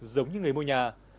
giống như người mua nhà